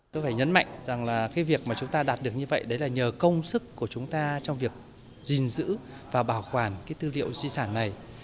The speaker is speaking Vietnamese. tôi phải nhấn mạnh rằng việc chúng ta đạt được như vậy là nhờ công sức của chúng ta trong việc gìn giữ và bảo quản tư liệu di sản này